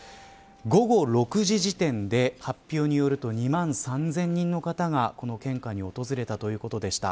午後６時時点で発表によると２万３０００人の方がこの献花に訪れたということでした。